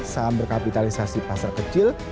saham berkapitalisasi pasar kecil